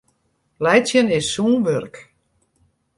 Laitsjen is sûn wurk.